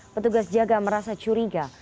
petugas jaga merasa curiga